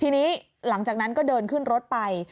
ทีนี้หลังจากนั้นก็เดินขึ้นรถไป